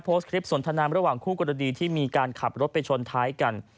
โพสต์คลิปสนทนามระหว่างคู่กรณีที่มีการขับรถไปชนท้ายกัน